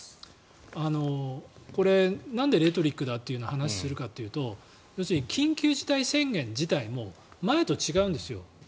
これ、なんでレトリックだという話をするかというと要するに、緊急事態宣言自体も前と違うんですよ。